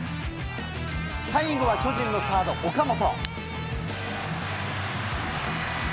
最後は巨人のサード、岡本。